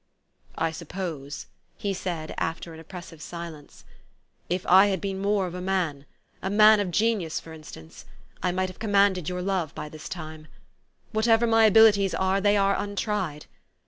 " I suppose," he said, after an oppressive silence, " if I had been more of a man, a man of genius for instance, I might have commanded your love by this tune. "Whatever my abilities are, they are untried.